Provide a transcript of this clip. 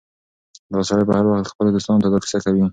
دا سړی به هر وخت خپلو دوستانو ته دا کيسه کوي.